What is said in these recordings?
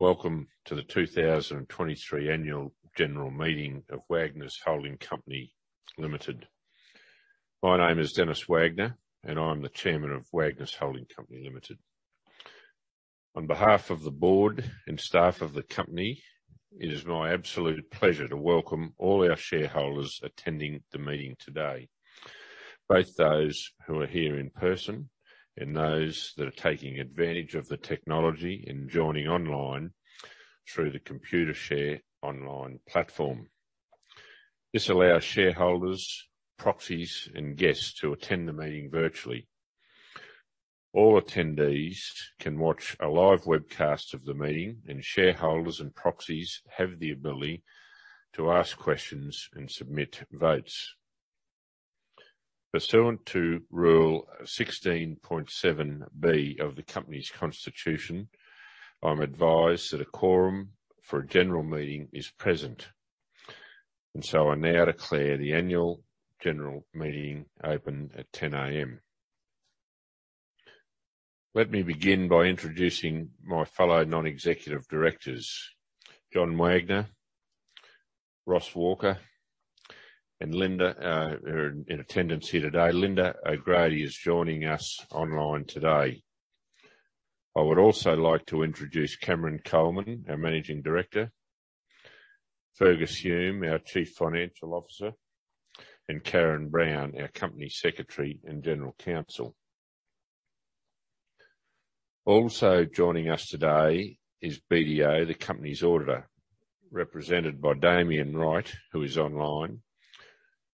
Welcome to the 2023 Annual General Meeting of Wagners Holding Company Limited. My name is Denis Wagner, and I'm the Chairman of Wagners Holding Company Limited. On behalf of the board and staff of the company, it is my absolute pleasure to welcome all our shareholders attending the meeting today, both those who are here in person and those that are taking advantage of the technology and joining online through the Computershare online platform. This allows shareholders, proxies, and guests to attend the meeting virtually. All attendees can watch a live webcast of the meeting, and shareholders and proxies have the ability to ask questions and submit votes. Pursuant to Rule 16.7B of the company's constitution, I'm advised that a quorum for a general meeting is present, and so I now declare the annual general meeting open at 10:00AM. Let me begin by introducing my fellow non-executive directors, John Wagner, Ross Walker, and Linda are in attendance here today. Linda O'Grady is joining us online today. I would also like to introduce Cameron Coleman, our Managing Director, Fergus Hume, our Chief Financial Officer, and Karen Brown, our Company Secretary and General Counsel. Also joining us today is BDO, the company's auditor, represented by Damian Wright, who is online,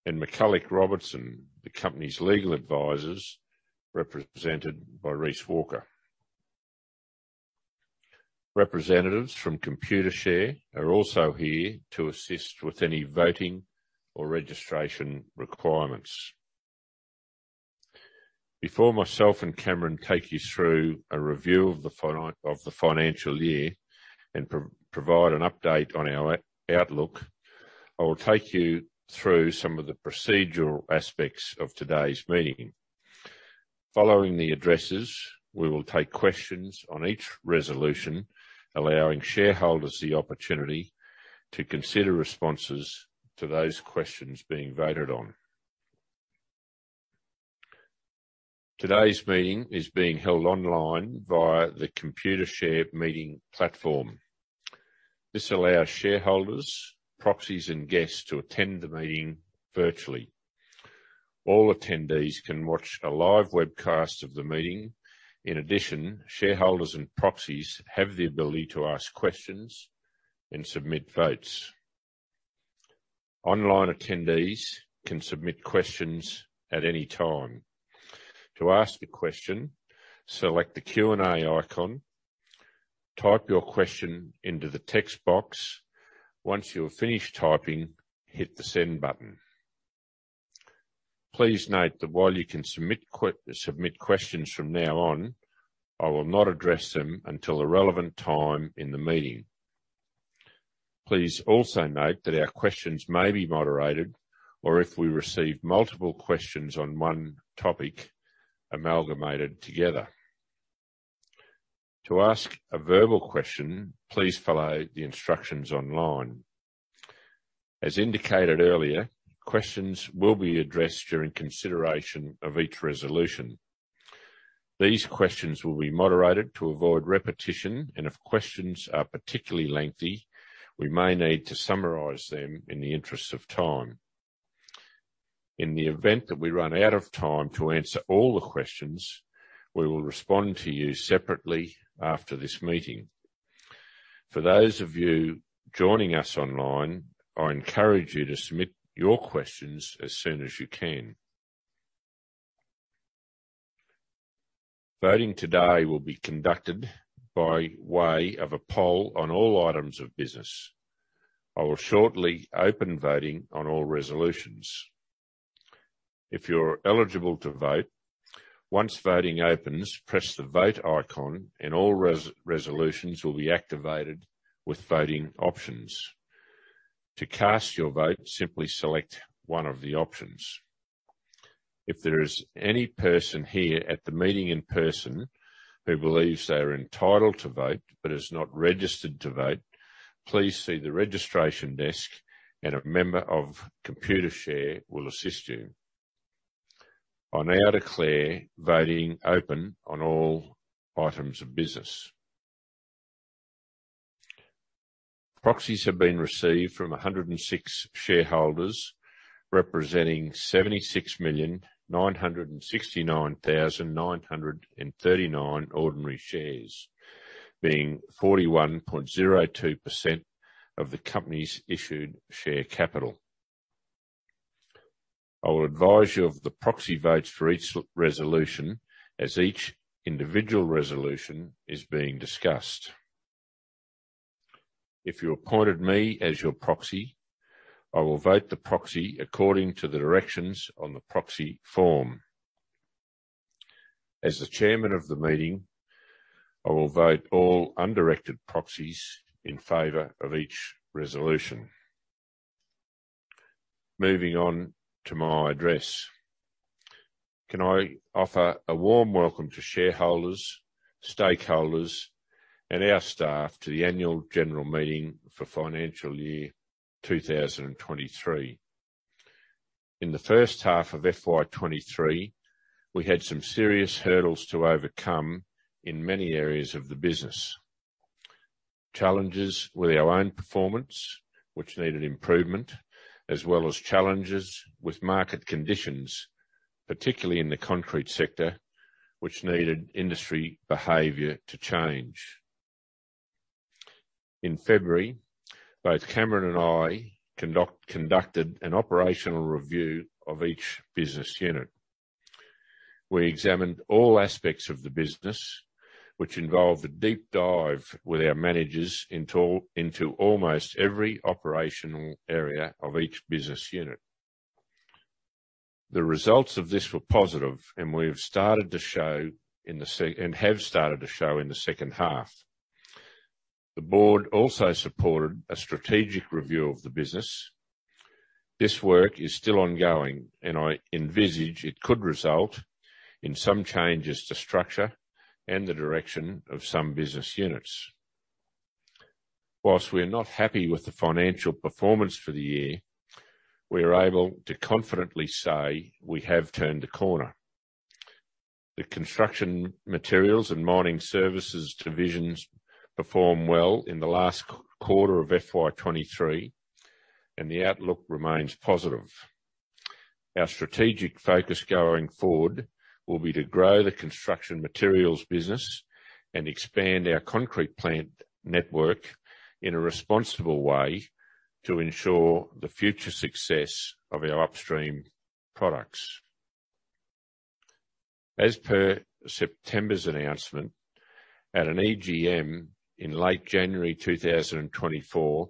and McCullough Robertson, the company's legal advisors, represented by Reece Walker. Representatives from Computershare are also here to assist with any voting or registration requirements. Before myself and Cameron take you through a review of the financial year and provide an update on our outlook, I will take you through some of the procedural aspects of today's meeting. Following the addresses, we will take questions on each resolution, allowing shareholders the opportunity to consider responses to those questions being voted on. Today's meeting is being held online via the Computershare meeting platform. This allows shareholders, proxies, and guests to attend the meeting virtually. All attendees can watch a live webcast of the meeting. In addition, shareholders and proxies have the ability to ask questions and submit votes. Online attendees can submit questions at any time. To ask a question, select the Q&A icon, type your question into the text box. Once you have finished typing, hit the Send button. Please note that while you can submit questions from now on, I will not address them until the relevant time in the meeting. Please also note that our questions may be moderated or if we receive multiple questions on one topic, amalgamated together. To ask a verbal question, please follow the instructions online. As indicated earlier, questions will be addressed during consideration of each resolution. These questions will be moderated to avoid repetition, and if questions are particularly lengthy, we may need to summarize them in the interest of time. In the event that we run out of time to answer all the questions, we will respond to you separately after this meeting. For those of you joining us online, I encourage you to submit your questions as soon as you can. Voting today will be conducted by way of a poll on all items of business. I will shortly open voting on all resolutions. If you're eligible to vote, once voting opens, press the Vote icon, and all resolutions will be activated with voting options. To cast your vote, simply select one of the options. If there is any person here at the meeting in person who believes they are entitled to vote but is not registered to vote, please see the registration desk, and a member of Computershare will assist you. I now declare voting open on all items of business. Proxies have been received from 106 shareholders, representing 76,969,939 ordinary shares, being 41.02% of the company's issued share capital. I will advise you of the proxy votes for each resolution as each individual resolution is being discussed. If you appointed me as your proxy, I will vote the proxy according to the directions on the proxy form. As the chairman of the meeting, I will vote all undirected proxies in favor of each resolution... Moving on to my address. Can I offer a warm welcome to shareholders, stakeholders, and our staff to the annual general meeting for financial year 2023. In the first half of FY 2023, we had some serious hurdles to overcome in many areas of the business. Challenges with our own performance, which needed improvement, as well as challenges with market conditions, particularly in the concrete sector, which needed industry behavior to change. In February, both Cameron and I conducted an operational review of each business unit. We examined all aspects of the business, which involved a deep dive with our managers into almost every operational area of each business unit. The results of this were positive, and we've started to show in the second half. The board also supported a strategic review of the business. This work is still ongoing, and I envisage it could result in some changes to structure and the direction of some business units. While we're not happy with the financial performance for the year, we are able to confidently say we have turned a corner. The construction materials and mining services divisions performed well in the last quarter of FY 23, and the outlook remains positive. Our strategic focus going forward will be to grow the construction materials business and expand our concrete plant network in a responsible way to ensure the future success of our upstream products. As per September's announcement, at an EGM in late January 2024,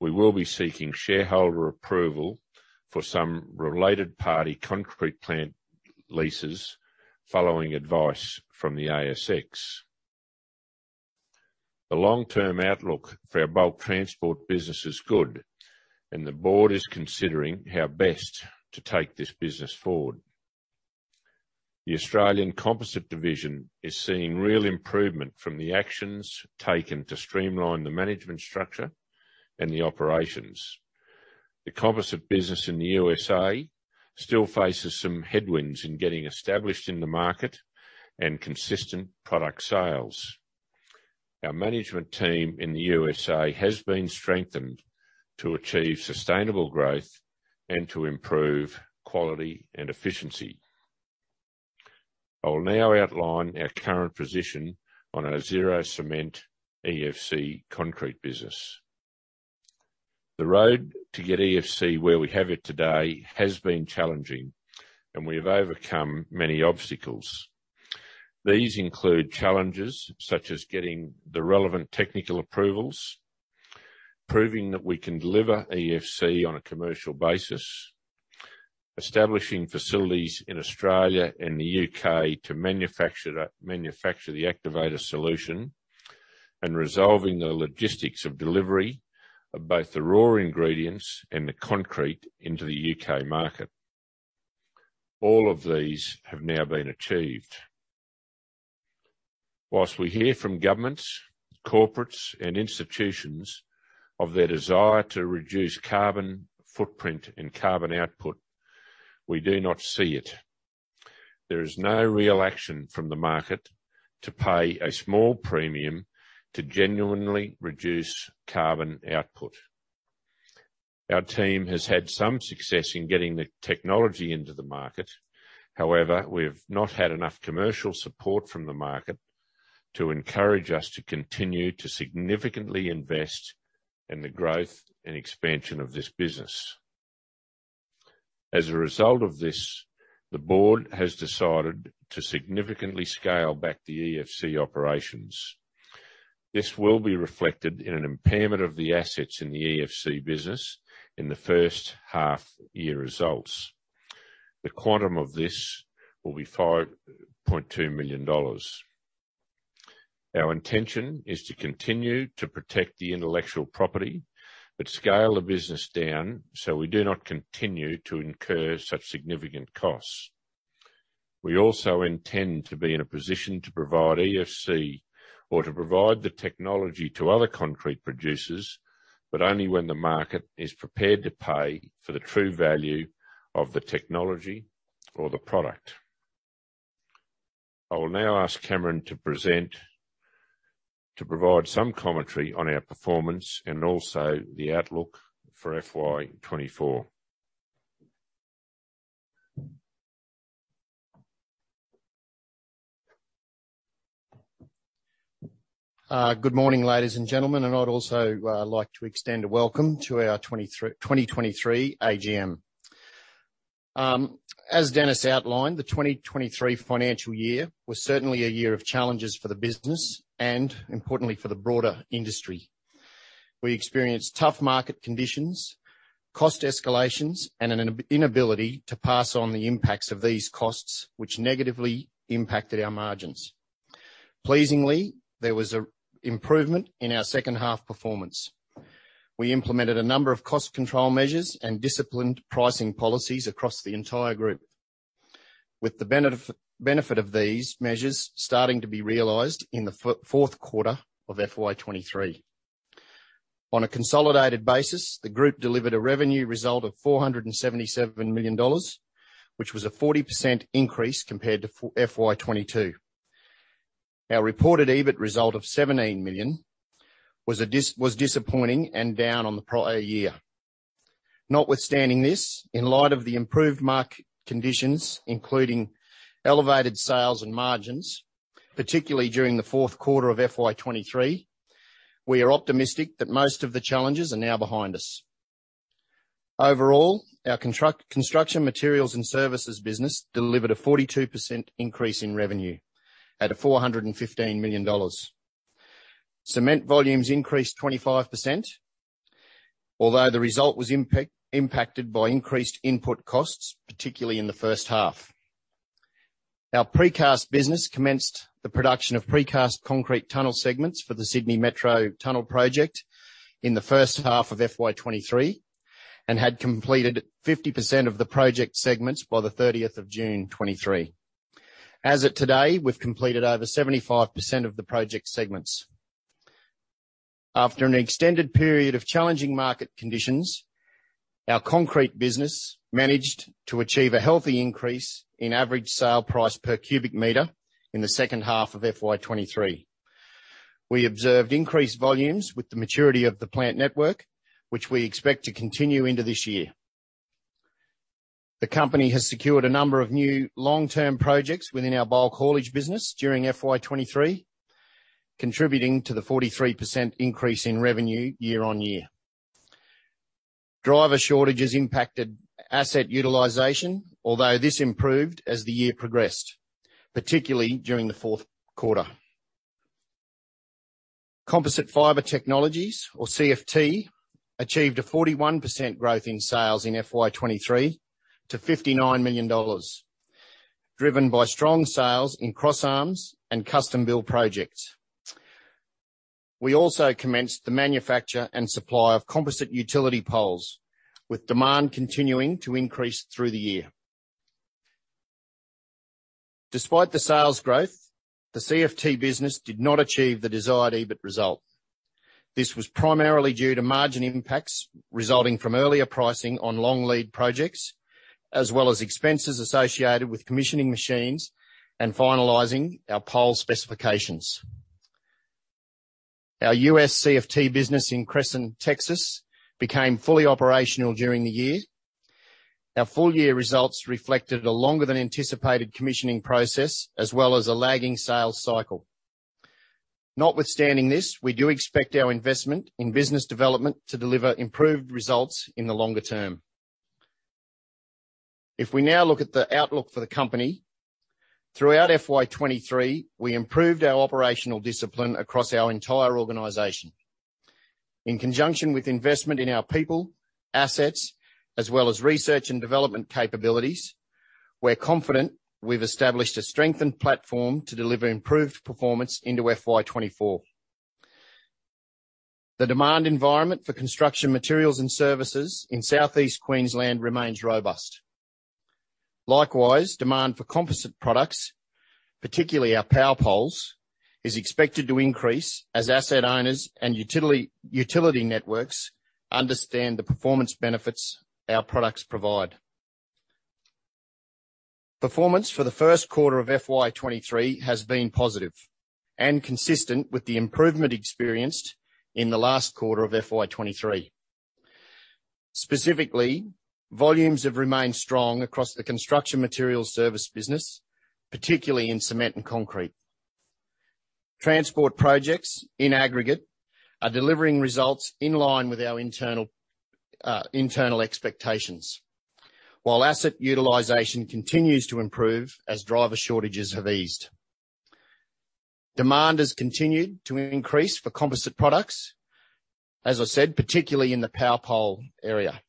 we will be seeking shareholder approval for some related party concrete plant leases following advice from the ASX. The long-term outlook for our bulk transport business is good, and the board is considering how best to take this business forward. The Australian Composite Division is seeing real improvement from the actions taken to streamline the management structure and the operations. The composite business in the USA still faces some headwinds in getting established in the market and consistent product sales. Our management team in the USA has been strengthened to achieve sustainable growth and to improve quality and efficiency. I will now outline our current position on our zero cement EFC concrete business. The road to get EFC where we have it today has been challenging, and we have overcome many obstacles. These include challenges such as getting the relevant technical approvals, proving that we can deliver EFC on a commercial basis, establishing facilities in Australia and the UK to manufacture the activator solution, and resolving the logistics of delivery of both the raw ingredients and the concrete into the UK market. All of these have now been achieved. Whilst we hear from governments, corporates, and institutions of their desire to reduce carbon footprint and carbon output, we do not see it. There is no real action from the market to pay a small premium to genuinely reduce carbon output. Our team has had some success in getting the technology into the market. However, we've not had enough commercial support from the market to encourage us to continue to significantly invest in the growth and expansion of this business. As a result of this, the board has decided to significantly scale back the EFC operations. This will be reflected in an impairment of the assets in the EFC business in the first half year results. The quantum of this will be 5.2 million dollars. Our intention is to continue to protect the intellectual property but scale the business down so we do not continue to incur such significant costs. We also intend to be in a position to provide EFC or to provide the technology to other concrete producers, but only when the market is prepared to pay for the true value of the technology or the product. I will now ask Cameron to present, to provide some commentary on our performance and also the outlook for FY 2024. Good morning, ladies and gentlemen, and I'd also like to extend a welcome to our 2023 AGM. As Denis outlined, the 2023 financial year was certainly a year of challenges for the business and importantly, for the broader industry. We experienced tough market conditions, cost escalations, and an inability to pass on the impacts of these costs, which negatively impacted our margins. Pleasingly, there was an improvement in our second half performance. We implemented a number of cost control measures and disciplined pricing policies across the entire group, with the benefit of these measures starting to be realized in the fourth quarter of FY 2023. On a consolidated basis, the group delivered a revenue result of 477 million dollars, which was a 40% increase compared to FY 2022. Our reported EBIT result of 17 million was disappointing and down on the prior year. Notwithstanding this, in light of the improved market conditions, including elevated sales and margins, particularly during the fourth quarter of FY 2023, we are optimistic that most of the challenges are now behind us. Overall, our construction materials and services business delivered a 42% increase in revenue at 415 million dollars. Cement volumes increased 25%, although the result was impacted by increased input costs, particularly in the first half. Our precast business commenced the production of precast concrete tunnel segments for the Sydney Metro Tunnel project in the first half of FY 2023 and had completed 50% of the project segments by the thirtieth of June 2023. As of today, we've completed over 75% of the project segments. After an extended period of challenging market conditions, our concrete business managed to achieve a healthy increase in average sale price per cubic meter in the second half of FY 2023. We observed increased volumes with the maturity of the plant network, which we expect to continue into this year. The company has secured a number of new long-term projects within our bulk haulage business during FY 2023, contributing to the 43% increase in revenue year-on-year. Driver shortages impacted asset utilization, although this improved as the year progressed, particularly during the fourth quarter. Composite Fibre Technologies, or CFT, achieved a 41% growth in sales in FY 2023, to 59 million dollars, driven by strong sales in crossarms and custom build projects. We also commenced the manufacture and supply of composite utility poles, with demand continuing to increase through the year. Despite the sales growth, the CFT business did not achieve the desired EBIT result. This was primarily due to margin impacts resulting from earlier pricing on long lead projects, as well as expenses associated with commissioning machines and finalizing our pole specifications. Our US CFT business in Cresson, Texas, became fully operational during the year. Our full year results reflected a longer than anticipated commissioning process, as well as a lagging sales cycle. Notwithstanding this, we do expect our investment in business development to deliver improved results in the longer term. If we now look at the outlook for the company, throughout FY 2023, we improved our operational discipline across our entire organization. In conjunction with investment in our people, assets, as well as research and development capabilities, we're confident we've established a strengthened platform to deliver improved performance into FY 2024. The demand environment for construction materials and services in Southeast Queensland remains robust. Likewise, demand for composite products, particularly our power poles, is expected to increase as asset owners and utility networks understand the performance benefits our products provide. Performance for the first quarter of FY 23 has been positive and consistent with the improvement experienced in the last quarter of FY 23. Specifically, volumes have remained strong across the construction materials service business, particularly in cement and concrete. Transport projects, in aggregate, are delivering results in line with our internal expectations, while asset utilization continues to improve as driver shortages have eased. Demand has continued to increase for composite products, as I said, particularly in the power pole area.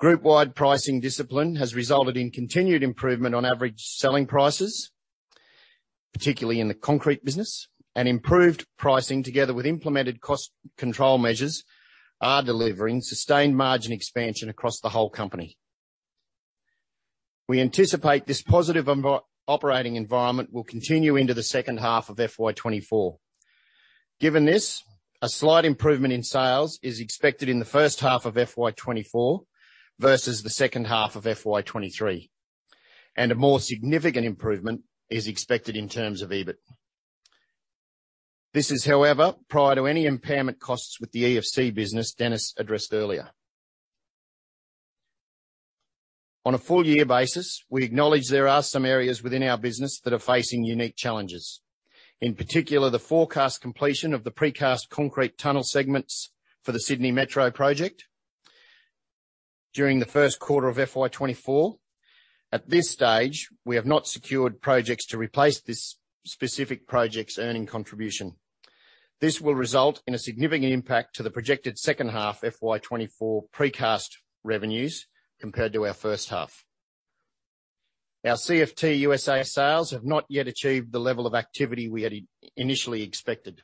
Group-wide pricing discipline has resulted in continued improvement on average selling prices, particularly in the concrete business, and improved pricing, together with implemented cost control measures, are delivering sustained margin expansion across the whole company. We anticipate this positive environment operating environment will continue into the second half of FY 2024. Given this, a slight improvement in sales is expected in the first half of FY 2024 versus the second half of FY 2023, and a more significant improvement is expected in terms of EBIT. This is, however, prior to any impairment costs with the EFC business Denis addressed earlier. On a full year basis, we acknowledge there are some areas within our business that are facing unique challenges, in particular, the forecast completion of the precast concrete tunnel segments for the Sydney Metro project during the first quarter of FY 2024. At this stage, we have not secured projects to replace this specific project's earning contribution... This will result in a significant impact to the projected second half FY 24 precast revenues compared to our first half. Our CFT USA sales have not yet achieved the level of activity we had initially expected.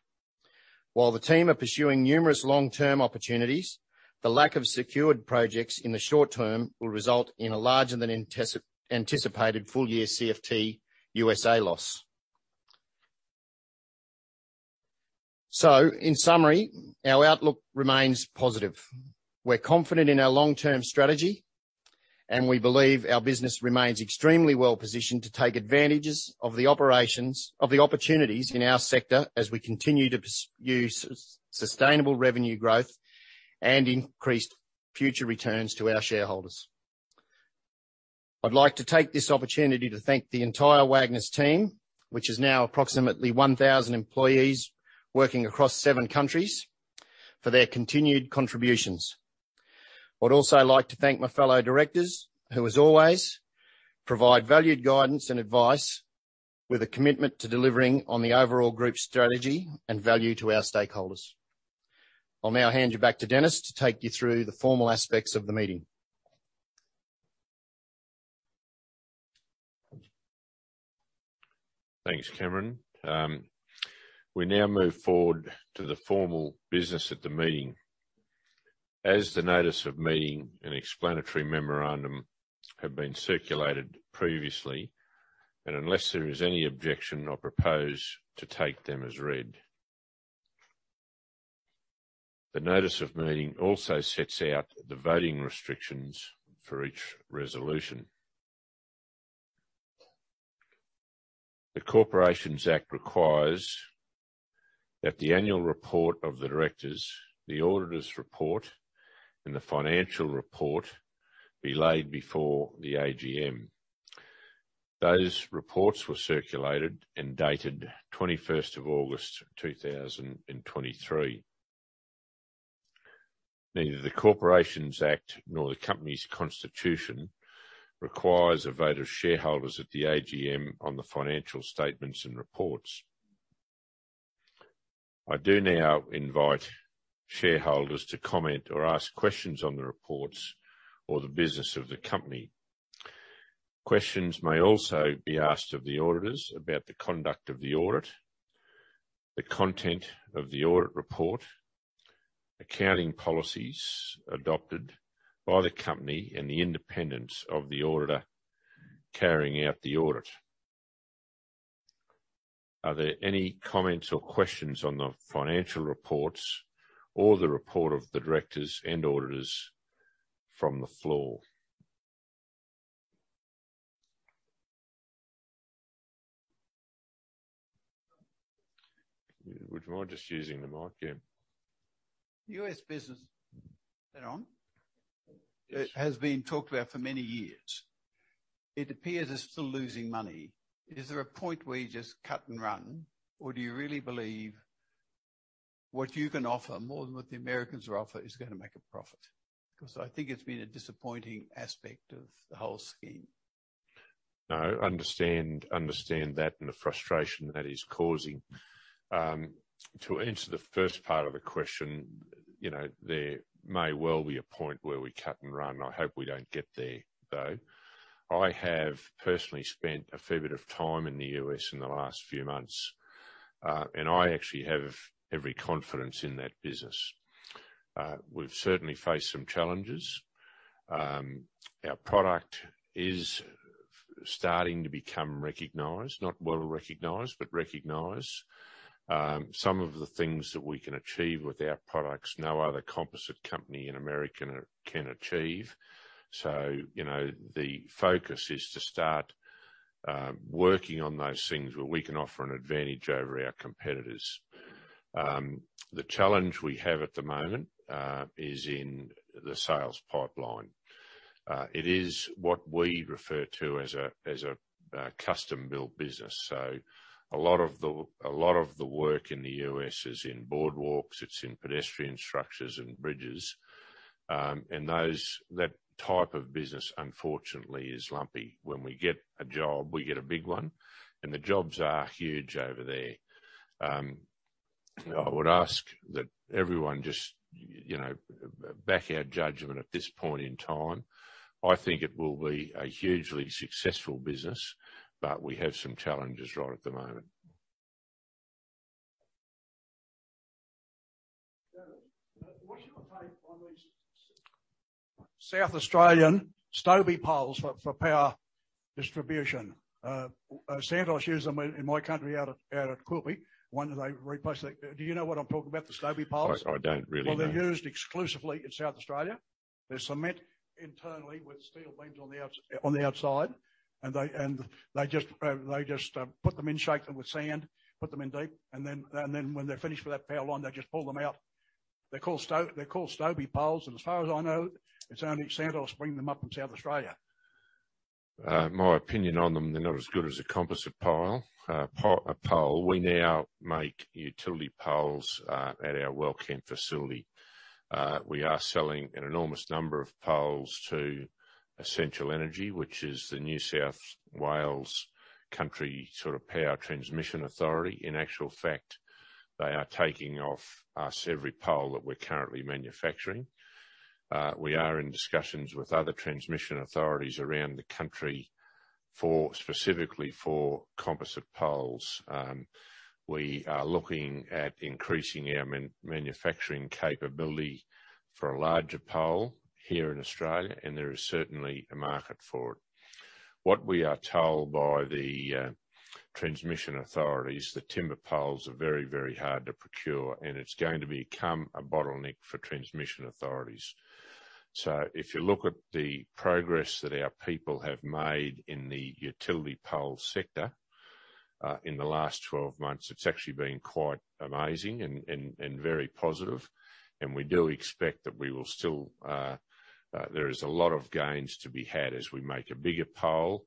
While the team are pursuing numerous long-term opportunities, the lack of secured projects in the short term will result in a larger than anticipated full year CFT USA loss. So, in summary, our outlook remains positive. We're confident in our long-term strategy, and we believe our business remains extremely well positioned to take advantages of the operations, of the opportunities in our sector as we continue to pursue sustainable revenue growth and increased future returns to our shareholders. I'd like to take this opportunity to thank the entire Wagners team, which is now approximately 1,000 employees working across seven countries, for their continued contributions. I'd also like to thank my fellow directors, who, as always, provide valued guidance and advice with a commitment to delivering on the overall group strategy and value to our stakeholders. I'll now hand you back to Denis to take you through the formal aspects of the meeting. Thanks, Cameron. We now move forward to the formal business at the meeting. As the notice of meeting and explanatory memorandum have been circulated previously, and unless there is any objection, I propose to take them as read. The notice of meeting also sets out the voting restrictions for each resolution. The Corporations Act requires that the annual report of the directors, the auditors' report, and the financial report be laid before the AGM. Those reports were circulated and dated 21st of August 2023. Neither the Corporations Act nor the company's constitution requires a vote of shareholders at the AGM on the financial statements and reports. I do now invite shareholders to comment or ask questions on the reports or the business of the company. Questions may also be asked of the auditors about the conduct of the audit, the content of the audit report, accounting policies adopted by the company, and the independence of the auditor carrying out the audit. Are there any comments or questions on the financial reports or the report of the directors and auditors from the floor? Would you mind just using the mic, yeah? US business... Is that on? Yes. It has been talked about for many years. It appears they're still losing money. Is there a point where you just cut and run, or do you really believe what you can offer, more than what the Americans are offering, is gonna make a profit? Because I think it's been a disappointing aspect of the whole scheme. No, I understand that and the frustration that is causing. To answer the first part of the question, you know, there may well be a point where we cut and run. I hope we don't get there, though. I have personally spent a fair bit of time in the US in the last few months, and I actually have every confidence in that business. We've certainly faced some challenges. Our product is starting to become recognized, not well recognized, but recognized. Some of the things that we can achieve with our products, no other composite company in America can achieve. So, you know, the focus is to start working on those things where we can offer an advantage over our competitors. The challenge we have at the moment is in the sales pipeline. It is what we refer to as a custom-built business. So a lot of the work in the US is in boardwalks, it's in pedestrian structures and bridges. And that type of business, unfortunately, is lumpy. When we get a job, we get a big one, and the jobs are huge over there. I would ask that everyone just, you know, back our judgment at this point in time. I think it will be a hugely successful business, but we have some challenges right at the moment. Denis, what's your take on these South Australian Stobie poles for power distribution? Santos use them in my country, out at Quilpie, when they replace the... Do you know what I'm talking about, the Stobie poles? I don't really, no. Well, they're used exclusively in South Australia. They're cement internally with steel beams on the out, on the outside, and they just put them in, shake them with sand, put them in deep, and then when they're finished with that power line, they just pull them out. They're called Stobie, they're called Stobie poles, and as far as I know, it's only Santos bringing them up from South Australia. My opinion on them, they're not as good as a composite pole. We now make utility poles at our Wellcamp facility. We are selling an enormous number of poles to Essential Energy, which is the New South Wales country sort of power transmission authority. In actual fact, they are taking off us every pole that we're currently manufacturing. We are in discussions with other transmission authorities around the country for, specifically for composite poles. We are looking at increasing our manufacturing capability for a larger pole here in Australia, and there is certainly a market for it. What we are told by the transmission authorities, the timber poles are very, very hard to procure, and it's going to become a bottleneck for transmission authorities. So if you look at the progress that our people have made in the utility pole sector, in the last 12 months, it's actually been quite amazing and very positive. And we do expect that we will still, there is a lot of gains to be had as we make a bigger pole.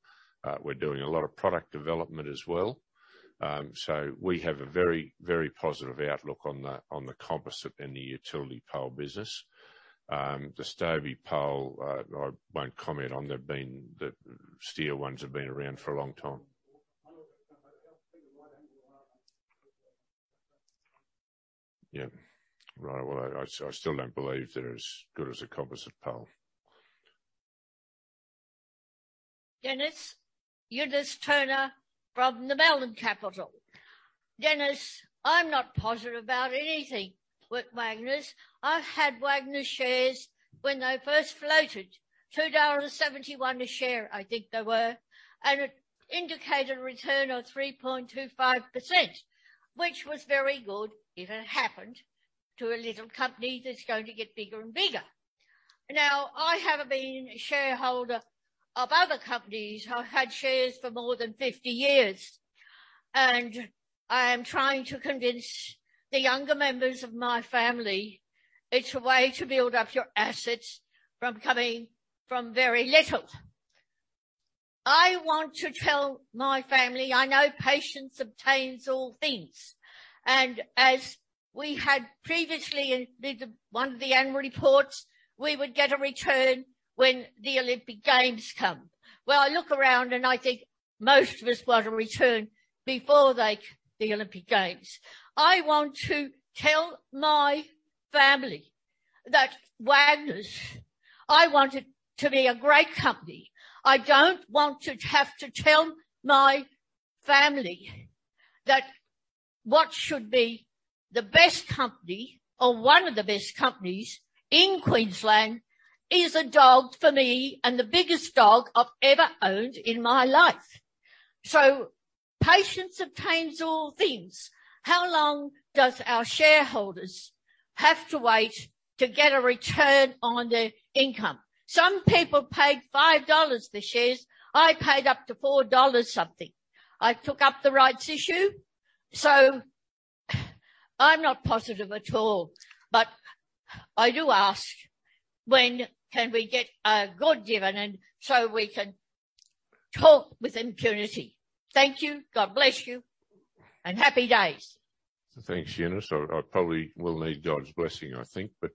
We're doing a lot of product development as well. So we have a very, very positive outlook on the composite and the utility pole business. The Stobie pole, I won't comment on. They've been. The steel ones have been around for a long time. Yeah. Right, well, I still don't believe they're as good as a composite pole. Denis, Eunice Turner from Melbourne. Denis, I'm not positive about anything with Wagners. I've had Wagner shares when they first floated, 2.71 dollars a share, I think they were. And it indicated a return of 3.25%, which was very good, if it happened, to a little company that's going to get bigger and bigger. Now, I have been a shareholder of other companies. I've had shares for more than 50 years, and I am trying to convince the younger members of my family it's a way to build up your assets from coming from very little. I want to tell my family I know patience obtains all things, and as we had previously in the, one of the annual reports, we would get a return when the Olympic Games come. Well, I look around and I think most of us want a return before they, the Olympic Games. I want to tell my family that Wagners, I want it to be a great company. I don't want to have to tell my family that what should be the best company or one of the best companies in Queensland is a dog for me, and the biggest dog I've ever owned in my life. So patience obtains all things. How long does our shareholders have to wait to get a return on their income? Some people paid 5 dollars for shares. I paid up to 4 dollars something. I took up the rights issue, so I'm not positive at all, but I do ask, when can we get a good dividend so we can talk with impunity? Thank you. God bless you, and happy days. Thanks, Eunice. I probably will need God's blessing, I think. But,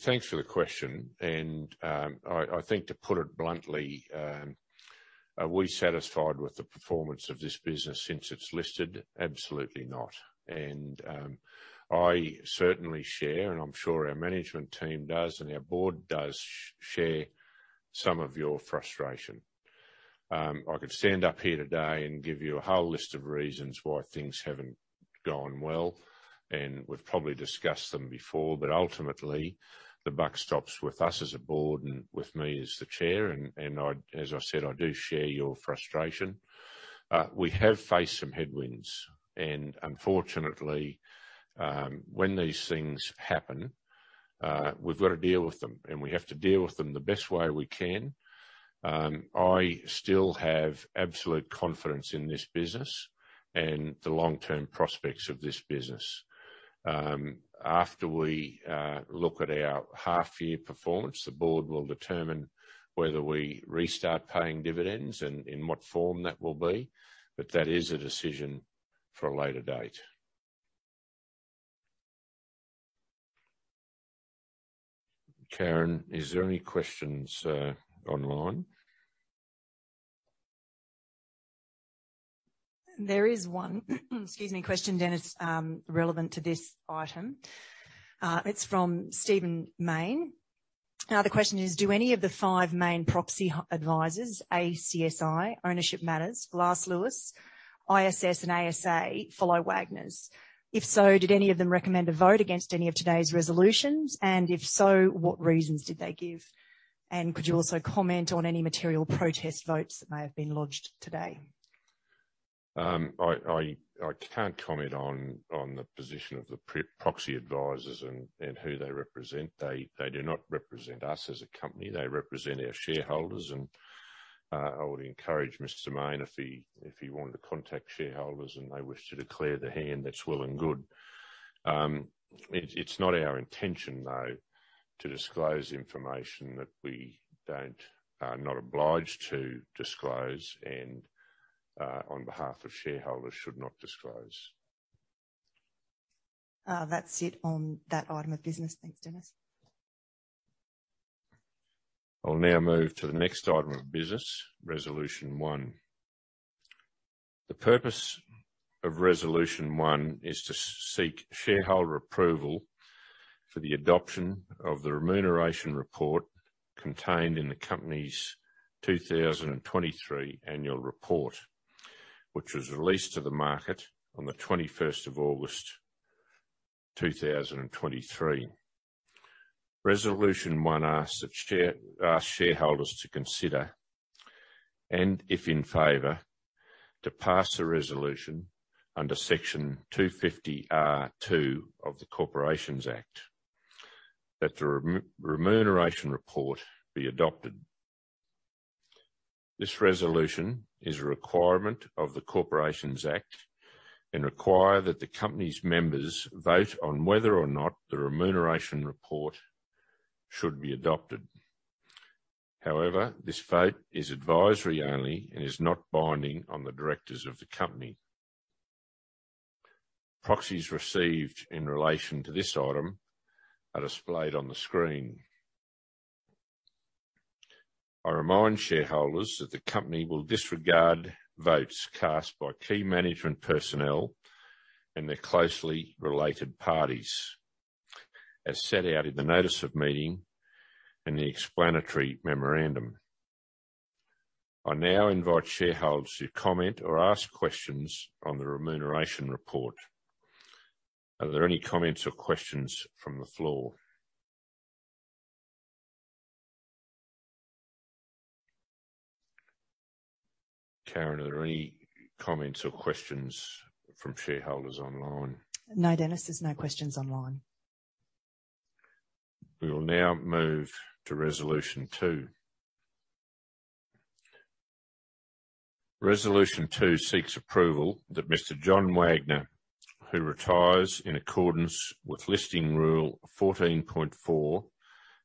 thanks for the question, and, I think to put it bluntly, are we satisfied with the performance of this business since it's listed? Absolutely not. And, I certainly share, and I'm sure our management team does, and our board does share some of your frustration. I could stand up here today and give you a whole list of reasons why things haven't gone well, and we've probably discussed them before, but ultimately, the buck stops with us as a board and with me as the Chair, and as I said, I do share your frustration. We have faced some headwinds, and unfortunately, when these things happen, we've got to deal with them, and we have to deal with them the best way we can. I still have absolute confidence in this business and the long-term prospects of this business. After we look at our half-year performance, the board will determine whether we restart paying dividends and in what form that will be, but that is a decision for a later date. Karen, is there any questions online? There is one, excuse me, question, Denis, relevant to this item. It's from Stephen Mayne. The question is: Do any of the five main proxy advisors, ACSI, Ownership Matters, Glass Lewis, ISS, and ASA, follow Wagners? If so, did any of them recommend a vote against any of today's resolutions? And if so, what reasons did they give? And could you also comment on any material protest votes that may have been lodged today? I can't comment on the position of the proxy advisors and who they represent. They do not represent us as a company. They represent our shareholders, and I would encourage Mr. Mayne, if he wanted to contact shareholders and they wish to declare their hand, that's well and good. It's not our intention, though, to disclose information that we are not obliged to disclose and, on behalf of shareholders, should not disclose. That's it on that item of business. Thanks, Denis. I'll now move to the next item of business, Resolution 1. The purpose of Resolution 1 is to seek shareholder approval for the adoption of the remuneration report contained in the company's 2023 annual report, which was released to the market on the 21st of August 2023. Resolution 1 asks shareholders to consider, and if in favor, to pass the resolution under Section 250R(2) of the Corporations Act, that the remuneration report be adopted. This resolution is a requirement of the Corporations Act and require that the company's members vote on whether or not the remuneration report should be adopted. However, this vote is advisory only and is not binding on the directors of the company. Proxies received in relation to this item are displayed on the screen. I remind shareholders that the company will disregard votes cast by key management personnel and their closely related parties, as set out in the notice of meeting and the explanatory memorandum. I now invite shareholders to comment or ask questions on the remuneration report. Are there any comments or questions from the floor? Karen, are there any comments or questions from shareholders online? No, Denis, there's no questions online. We will now move to Resolution 2. Resolution 2 seeks approval that Mr. John Wagner, who retires in accordance with Listing Rule 14.4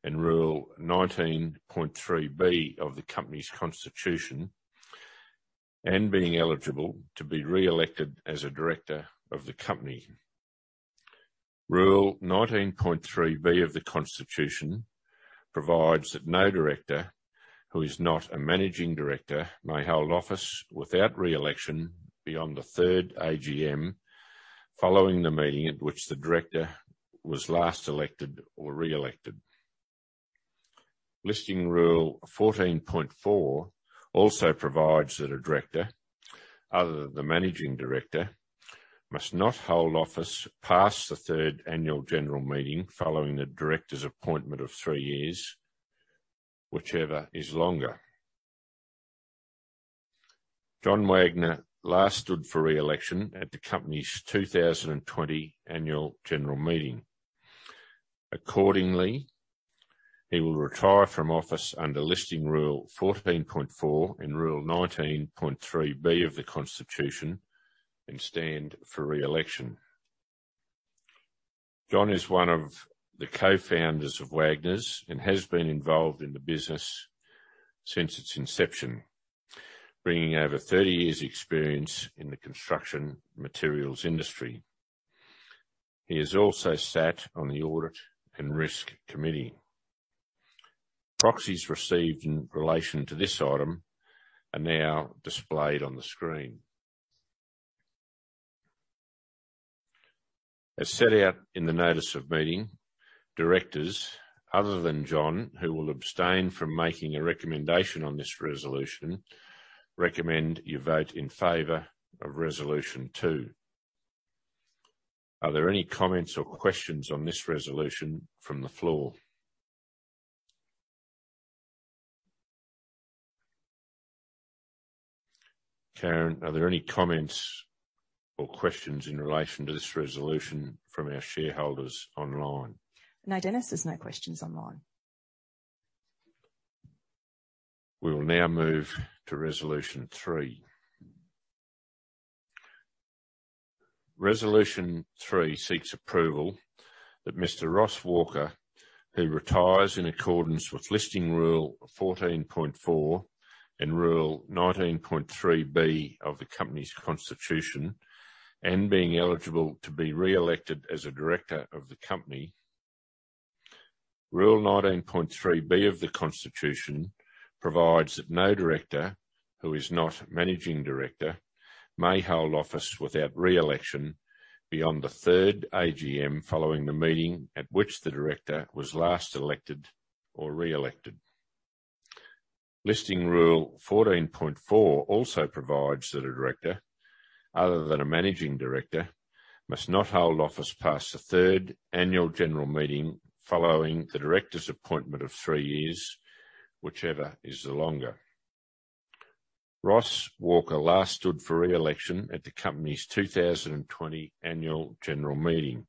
and Rule 19.3B of the Company's Constitution, and being eligible to be re-elected as a director of the Company. Rule 19.3B of the Constitution provides that no director, who is not a managing director, may hold office without re-election beyond the third AGM, following the meeting at which the director was last elected or re-elected. Listing Rule 14.4 also provides that a director, other than the managing director, must not hold office past the third annual general meeting following the director's appointment of three years, whichever is longer. John Wagner last stood for re-election at the Company's 2020 Annual General Meeting. Accordingly, he will retire from office under Listing Rule 14.4 and Rule 19.3B of the Constitution, and stand for re-election. John is one of the co-founders of Wagners and has been involved in the business since its inception, bringing over 30 years' experience in the construction materials industry. He has also sat on the Audit and Risk Committee. Proxies received in relation to this item are now displayed on the screen. As set out in the notice of meeting, directors other than John, who will abstain from making a recommendation on this resolution, recommend you vote in favor of Resolution 2. Are there any comments or questions on this resolution from the floor? Karen, are there any comments or questions in relation to this resolution from our shareholders online? No, Denis, there's no questions online. We will now move to Resolution 3. Resolution 3 seeks approval that Mr. Ross Walker, who retires in accordance with Listing Rule 14.4 and Rule 19.3B of the Company's Constitution, and being eligible to be re-elected as a director of the Company. Rule 19.3B of the Constitution provides that no director, who is not managing director, may hold office without re-election beyond the third AGM, following the meeting at which the director was last elected or re-elected. Listing Rule 14.4 also provides that a director, other than a managing director, must not hold office past the third annual general meeting following the director's appointment of three years, whichever is the longer. Ross Walker last stood for re-election at the Company's 2020 Annual General Meeting.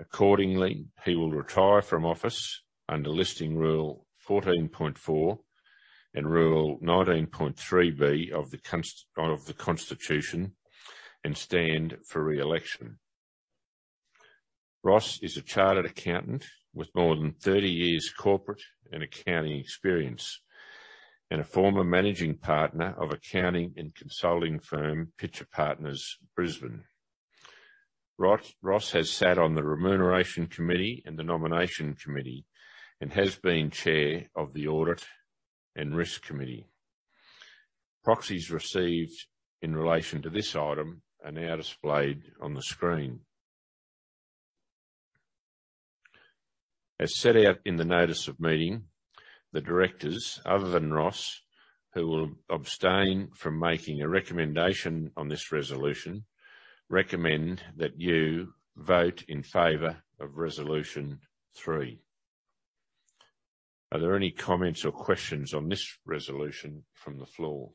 Accordingly, he will retire from office under Listing Rule 14.4 and Rule 19.3B of the Constitution, and stand for re-election... Ross is a chartered accountant with more than 30 years corporate and accounting experience, and a former managing partner of accounting and consulting firm, Pitcher Partners, Brisbane. Ross has sat on the Remuneration Committee and the Nomination Committee, and has been chair of the Audit and Risk Committee. Proxies received in relation to this item are now displayed on the screen. As set out in the notice of meeting, the directors, other than Ross, who will abstain from making a recommendation on this resolution, recommend that you vote in favor of resolution 3. Are there any comments or questions on this resolution from the floor?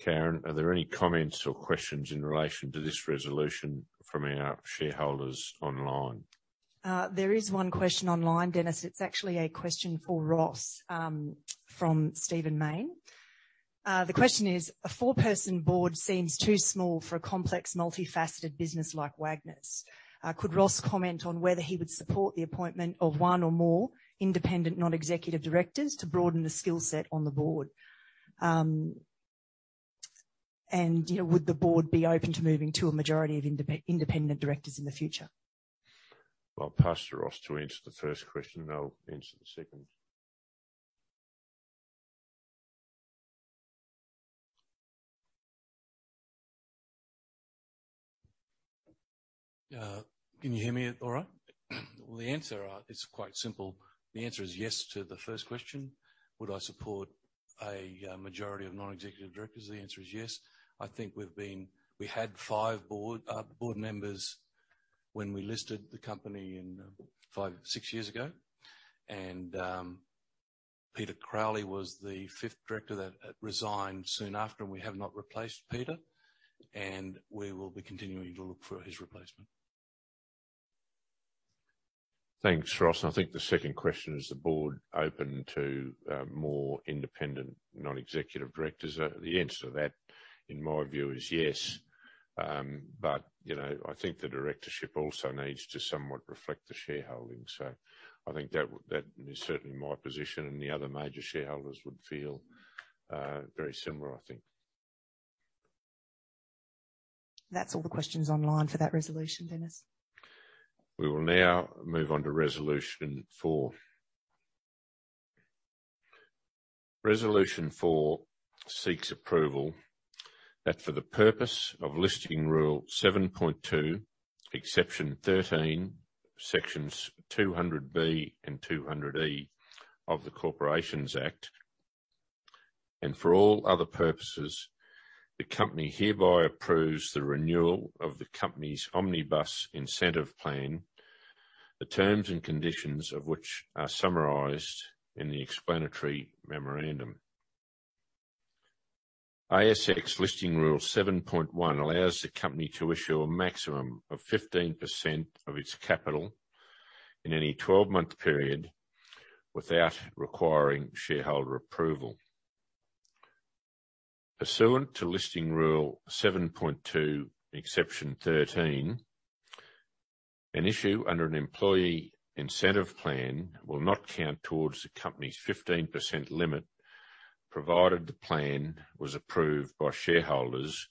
Karen, are there any comments or questions in relation to this resolution from our shareholders online? There is one question online, Denis. It's actually a question for Ross, from Stephen Mayne. The question is: A four-person board seems too small for a complex, multifaceted business like Wagners. Could Ross comment on whether he would support the appointment of one or more independent, non-executive directors to broaden the skill set on the board? And, you know, would the board be open to moving to a majority of independent directors in the future? I'll pass to Ross to answer the first question, and I'll answer the second. Can you hear me all right? Well, the answer is quite simple. The answer is yes to the first question. Would I support a majority of non-executive directors? The answer is yes. I think we had five board members when we listed the company in five, six years ago, and Peter Crowley was the fifth director that resigned soon after, and we have not replaced Peter, and we will be continuing to look for his replacement. Thanks, Ross. I think the second question, is the board open to more independent non-executive directors? The answer to that, in my view, is yes. But, you know, I think the directorship also needs to somewhat reflect the shareholding. So, I think that that is certainly my position, and the other major shareholders would feel very similar, I think. That's all the questions online for that resolution, Denis. We will now move on to resolution 4. Resolution 4 seeks approval that for the purpose of Listing Rule 7.2, Exception 13, Sections 200B and 200E of the Corporations Act, and for all other purposes, the company hereby approves the renewal of the company's Omnibus Incentive Plan, the terms and conditions of which are summarized in the explanatory memorandum. ASX Listing Rule 7.1 allows the company to issue a maximum of 15% of its capital in any 12-month period without requiring shareholder approval. Pursuant to Listing Rule 7.2, Exception 13, an issue under an employee incentive plan will not count towards the company's 15% limit, provided the plan was approved by shareholders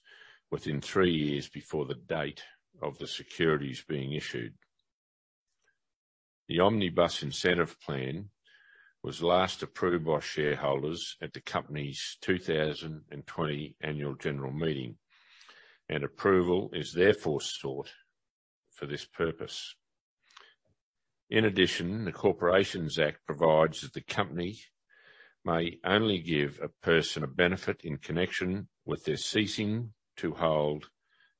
within three years before the date of the securities being issued. The Omnibus Incentive Plan was last approved by shareholders at the company's 2020 Annual General Meeting, and approval is therefore sought for this purpose. In addition, the Corporations Act provides that the company may only give a person a benefit in connection with their ceasing to hold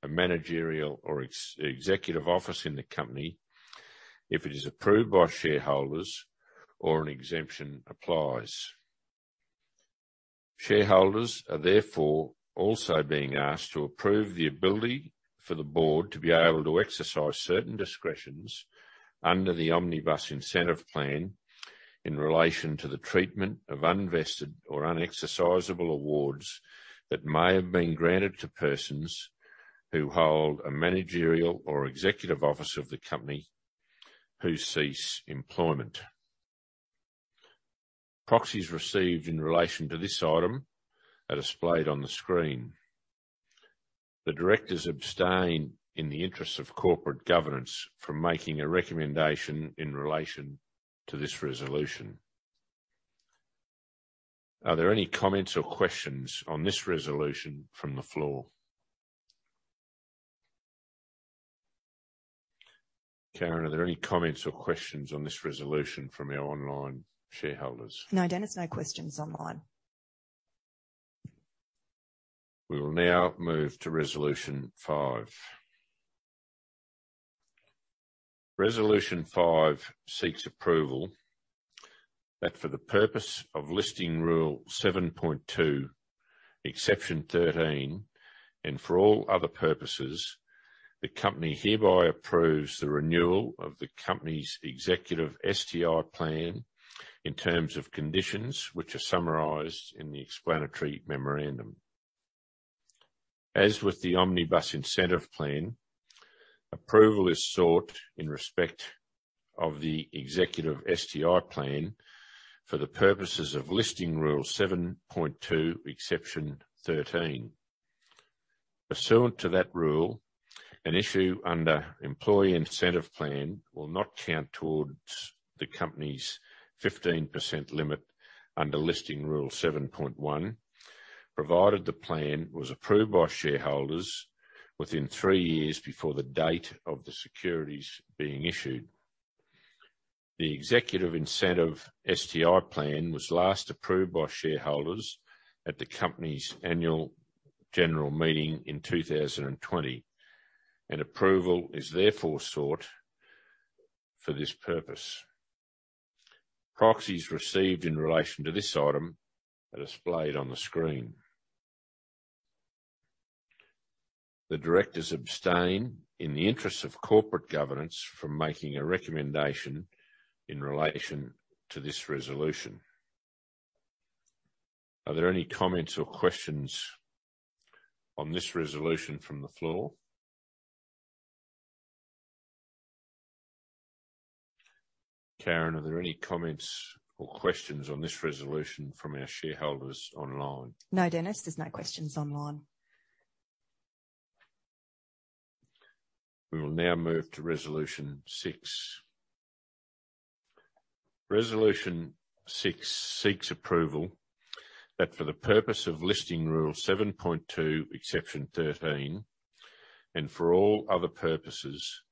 a managerial or ex-executive office in the company, if it is approved by shareholders or an exemption applies. Shareholders are therefore also being asked to approve the ability for the board to be able to exercise certain discretions under the Omnibus Incentive Plan in relation to the treatment of unvested or unexercisable awards that may have been granted to persons who hold a managerial or executive office of the company, who cease employment. Proxies received in relation to this item are displayed on the screen. The directors abstain, in the interests of corporate governance, from making a recommendation in relation to this resolution. Are there any comments or questions on this resolution from the floor? Karen, are there any comments or questions on this resolution from our online shareholders? No, Denis, no questions online. We will now move to Resolution 5. Resolution 5 seeks approval that for the purpose of Listing Rule 7.2, Exception 13, and for all other purposes, the company hereby approves the renewal of the company's Executive STI Plan in terms of conditions which are summarized in the explanatory memorandum. As with the Omnibus Incentive Plan, approval is sought in respect of the Executive STI Plan for the purposes of Listing Rule 7.2, Exception 13. Pursuant to that rule, an issue under Employee Incentive Plan will not count towards the company's 15% limit under Listing Rule 7.1, provided the plan was approved by shareholders within three years before the date of the securities being issued. The Executive Incentive STI Plan was last approved by shareholders at the company's annual general meeting in 2020, and approval is therefore sought for this purpose. Proxies received in relation to this item are displayed on the screen. The directors abstain, in the interest of corporate governance, from making a recommendation in relation to this resolution. Are there any comments or questions on this resolution from the floor? Karen, are there any comments or questions on this resolution from our shareholders online? No, Denis, there's no questions online. We will now move to Resolution 6. Resolution 6 seeks approval that for the purpose of Listing Rule 7.2, Exception 13, and for all other purposes,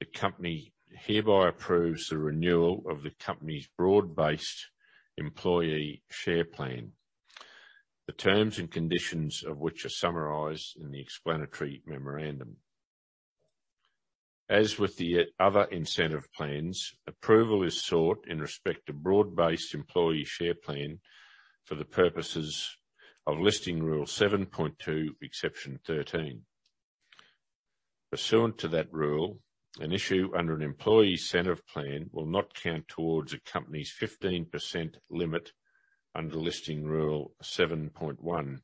the company hereby approves the renewal of the company's Broad-Based Employee Share Plan, the terms and conditions of which are summarized in the explanatory memorandum. As with the other incentive plans, approval is sought in respect to Broad-Based Employee Share Plan for the purposes of Listing Rule 7.2, Exception 13. Pursuant to that rule, an issue under an employee incentive plan will not count towards a company's 15% limit under Listing Rule 7.1,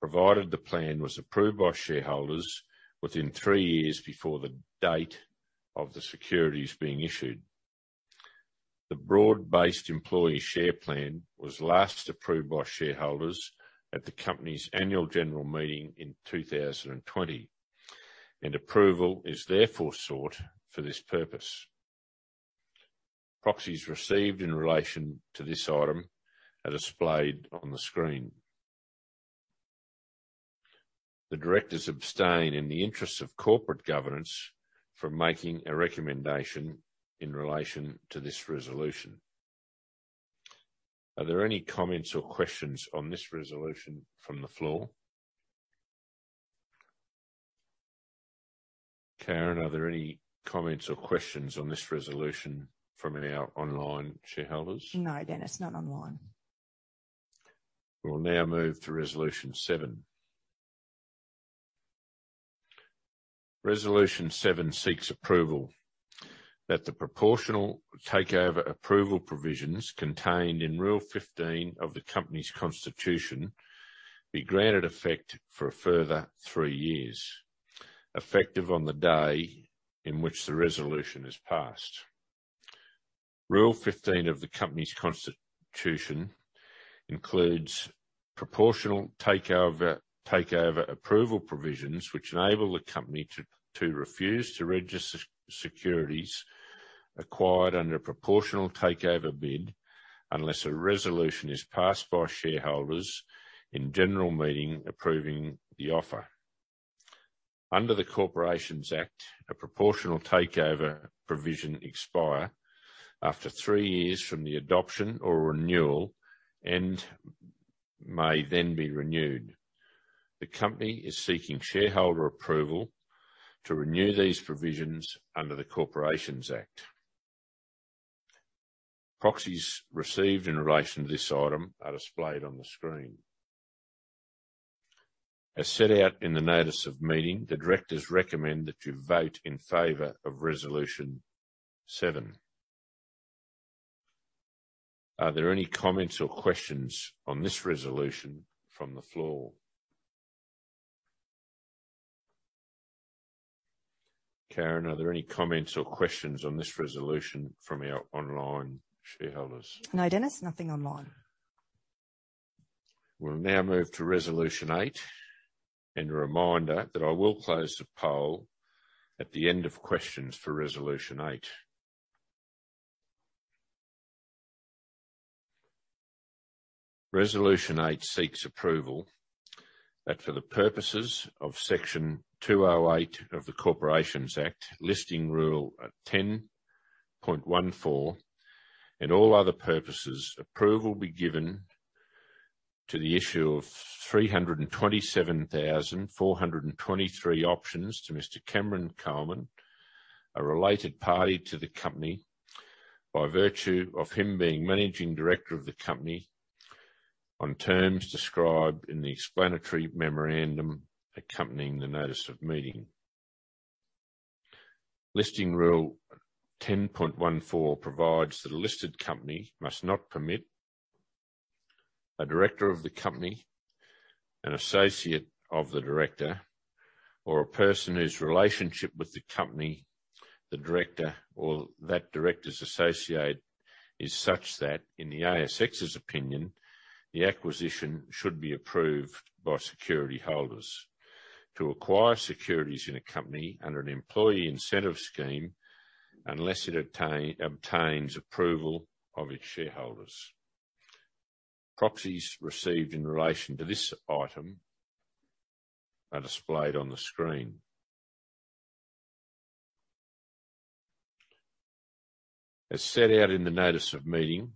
provided the plan was approved by shareholders within three years before the date of the securities being issued. The Broad-Based Employee Share Plan was last approved by shareholders at the company's annual general meeting in 2020, and approval is therefore sought for this purpose. Proxies received in relation to this item are displayed on the screen. The directors abstain, in the interest of corporate governance, from making a recommendation in relation to this resolution. Are there any comments or questions on this resolution from the floor? Karen, are there any comments or questions on this resolution from any of our online shareholders? No, Denis, not online. We'll now move to Resolution 7. Resolution 7 seeks approval that the proportional takeover approval provisions contained in Rule 15 of the company's constitution be granted effect for a further three years, effective on the day in which the resolution is passed. Rule 15 of the company's constitution includes proportional takeover approval provisions, which enable the company to refuse to register securities acquired under a proportional takeover bid, unless a resolution is passed by shareholders in general meeting approving the offer. Under the Corporations Act, a proportional takeover provision expire after three years from the adoption or renewal and may then be renewed. The company is seeking shareholder approval to renew these provisions under the Corporations Act. Proxies received in relation to this item are displayed on the screen. As set out in the notice of meeting, the directors recommend that you vote in favor of Resolution 7. Are there any comments or questions on this resolution from the floor? Karen, are there any comments or questions on this resolution from our online shareholders? No, Denis, nothing online. We'll now move to Resolution 8, and a reminder that I will close the poll at the end of questions for Resolution 8. Resolution 8 seeks approval that for the purposes of Section 208 of the Corporations Act, Listing Rule 10.14, and all other purposes, approval be given to the issue of 327,423 options to Mr. Cameron Coleman, a related party to the company by virtue of him being managing director of the company, on terms described in the explanatory memorandum accompanying the notice of meeting. Listing Rule 10.14 provides that a listed company must not permit a director of the company, an associate of the director, or a person whose relationship with the company, the director, or that director's associate, is such that in the ASX's opinion, the acquisition should be approved by security holders to acquire securities in a company under an employee incentive scheme, unless it obtains approval of its shareholders. Proxies received in relation to this item are displayed on the screen. As set out in the notice of meeting,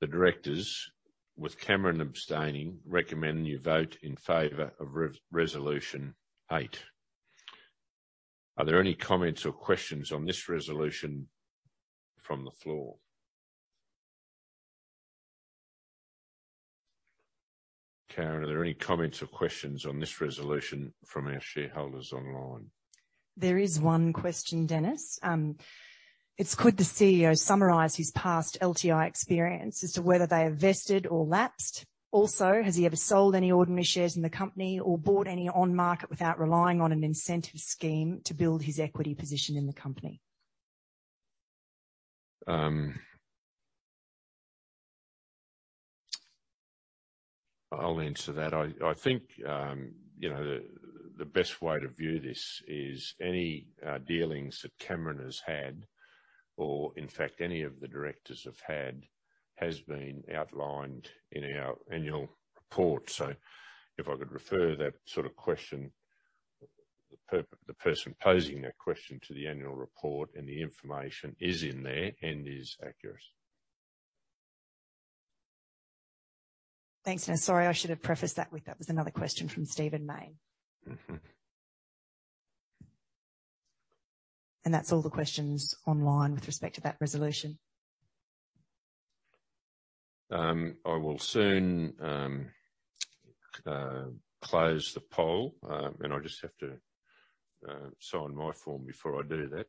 the directors, with Cameron abstaining, recommend you vote in favor of Resolution 8. Are there any comments or questions on this resolution from the floor? Karen, are there any comments or questions on this resolution from our shareholders online? There is one question, Denis. It's: Could the CEO summarize his past LTI experience as to whether they are vested or lapsed? Also, has he ever sold any ordinary shares in the company or bought any on market without relying on an incentive scheme to build his equity position in the company? I'll answer that. I think you know, the best way to view this is any dealings that Cameron has had, or in fact, any of the directors have had, has been outlined in our annual report. So, if I could refer that sort of question, the person posing that question to the annual report, and the information is in there and is accurate. Thanks, Denis. Sorry, I should have prefaced that with that was another question from Stephen Mayne. Mm-hmm. That's all the questions online with respect to that resolution. I will soon close the poll, and I just have to sign my form before I do that,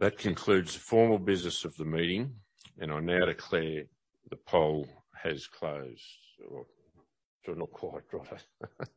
so. That concludes the formal business of the meeting, and I now declare the poll has closed. Well, so not quite, right?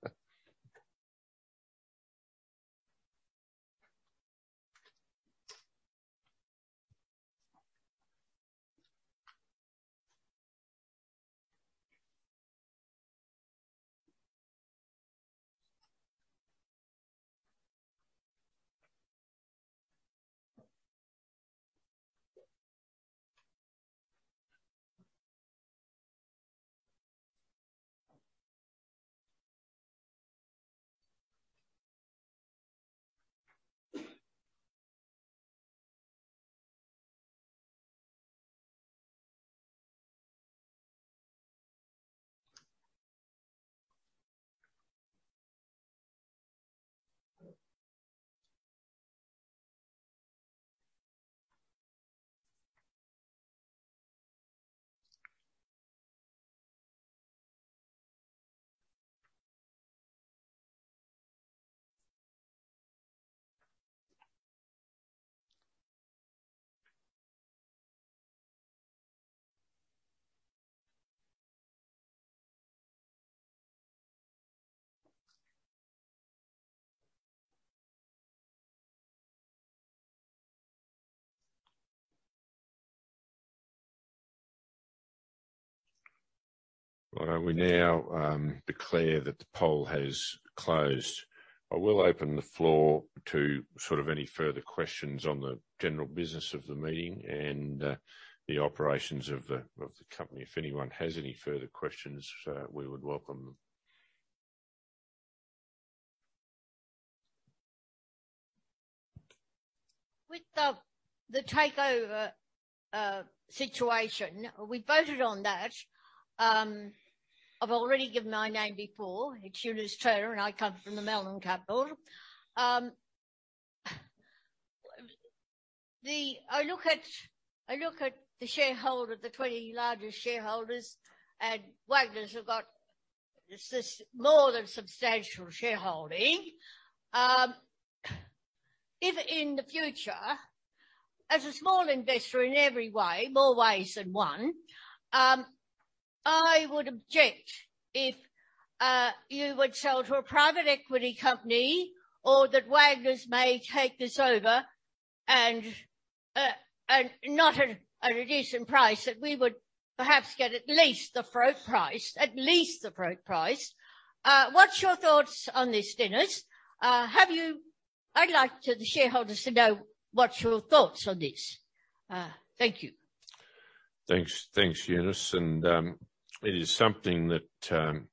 Well, we now declare that the poll has closed. I will open the floor to sort of any further questions on the general business of the meeting and the operations of the company. If anyone has any further questions, we would welcome them. With the takeover situation, we voted on that. I've already given my name before. It's Eunice Turner, and I come from the Melbourne Capital. I look at the shareholder, the 20 largest shareholders, and Wagners have got this more than substantial shareholding. If in the future, as a small investor in every way, more ways than one, I would object if you would sell to a private equity company or that Wagners may take this over and not at a reduced price, that we would perhaps get at least the float price. At least the float price. What's your thoughts on this, Denis? I'd like the shareholders to know what's your thoughts on this? Thank you. Thanks, thanks, Eunice. And, it is something that,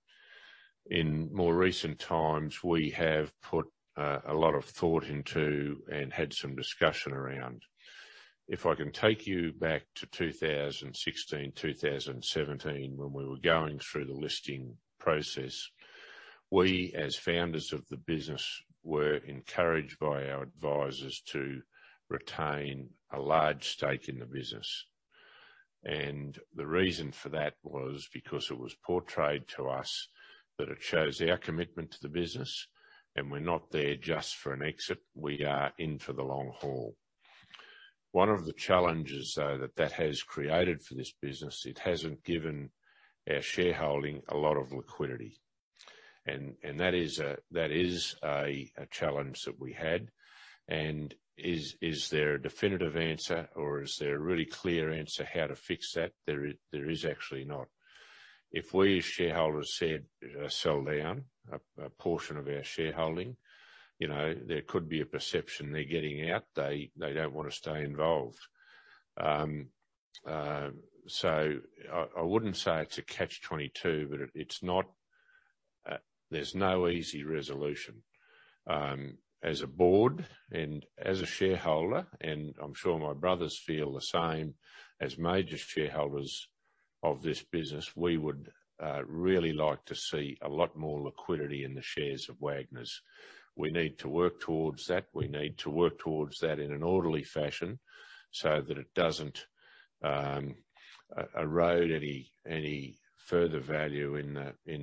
in more recent times, we have put a lot of thought into and had some discussion around. If I can take you back to 2016, 2017, when we were going through the listing process, we, as founders of the business, were encouraged by our advisors to retain a large stake in the business. And the reason for that was because it was portrayed to us that it shows our commitment to the business, and we're not there just for an exit, we are in for the long haul. One of the challenges, though, that has created for this business, it hasn't given our shareholding a lot of liquidity. And that is a challenge that we had. Is there a definitive answer, or is there a really clear answer how to fix that? There is actually not. If we, as shareholders, said, sell down a portion of our shareholding, you know, there could be a perception they're getting out. They don't want to stay involved. So I wouldn't say it's a catch-22, but it's not. There's no easy resolution. As a board and as a shareholder, and I'm sure my brothers feel the same, as major shareholders of this business, we would really like to see a lot more liquidity in the shares of Wagners. We need to work towards that. We need to work towards that in an orderly fashion so that it doesn't erode any further value in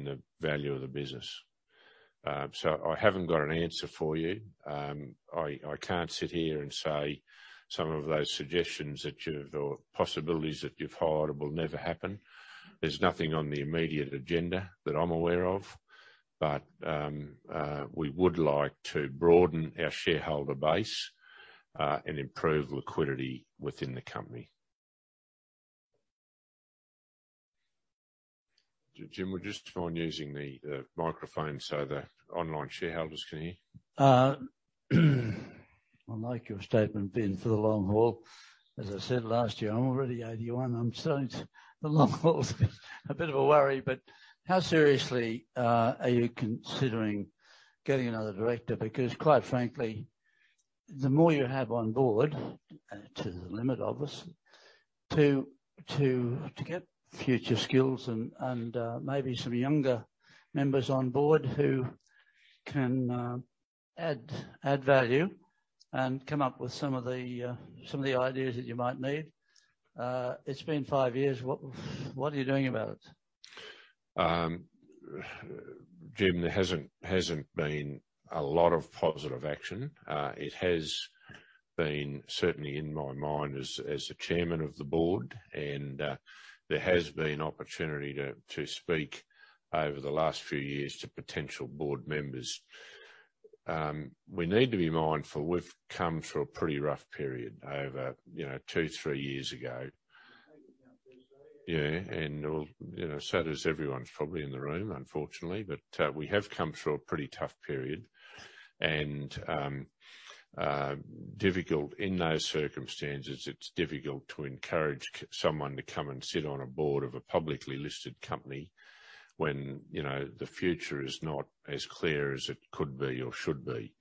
the value of the business. So I haven't got an answer for you. I can't sit here and say some of those suggestions that you've or possibilities that you've highlighted will never happen. There's nothing on the immediate agenda that I'm aware of, but we would like to broaden our shareholder base and improve liquidity within the company. Jim, would you just mind using the microphone so the online shareholders can hear? I like your statement, being for the long haul. As I said last year, I'm already 81. I'm starting to the long haul's a bit of a worry, but how seriously are you considering getting another director? Because, quite frankly, the more you have on board to the limit, obviously, to get future skills and maybe some younger members on board who can add value and come up with some of the ideas that you might need. It's been five years. What are you doing about it? Jim, there hasn't been a lot of positive action. It has been certainly in my mind as the Chairman of the Board, and there has been opportunity to speak over the last few years to potential board members. We need to be mindful, we've come through a pretty rough period over, you know, two, three years ago. Yeah, and well, you know, so does everyone probably in the room, unfortunately. But we have come through a pretty tough period, and difficult in those circumstances, it's difficult to encourage someone to come and sit on a board of a publicly listed company when, you know, the future is not as clear as it could be or should be.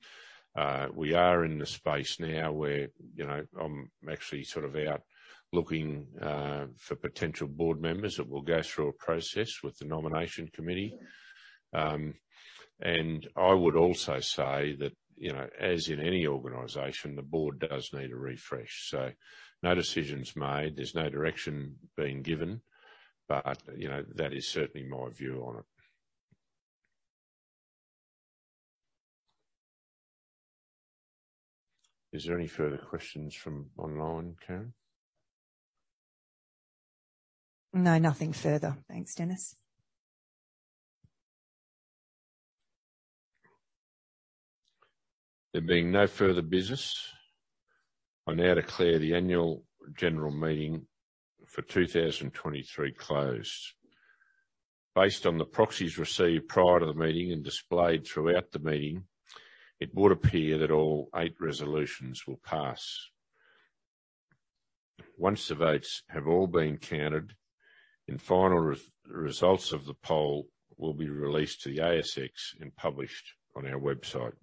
We are in the space now where, you know, I'm actually sort of out looking for potential board members that will go through a process with the Nomination Committee. And I would also say that, you know, as in any organization, the board does need a refresh. So no decisions made, there's no direction being given, but, you know, that is certainly my view on it. Is there any further questions from online, Karen? No, nothing further. Thanks, Denis. There being no further business, I now declare the annual general meeting for 2023 closed. Based on the proxies received prior to the meeting and displayed throughout the meeting, it would appear that all eight resolutions will pass. Once the votes have all been counted, then final results of the poll will be released to the ASX and published on our website.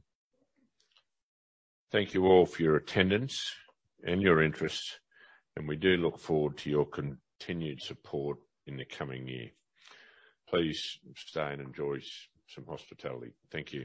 Thank you all for your attendance and your interest, and we do look forward to your continued support in the coming year. Please stay and enjoy some hospitality. Thank you.